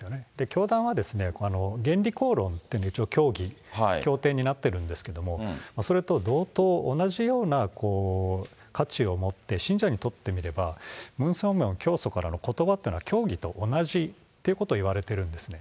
教団は原理講論っていうので、一応、教義、経典になってるんですけれども、それと同等、同じような価値をもって、信者にとってみれば、ムン・ソンミョン教祖からのことばっていうのは教義と同じということをいわれてるんですね。